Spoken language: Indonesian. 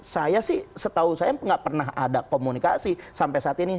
saya sih setahu saya nggak pernah ada komunikasi sampai saat ini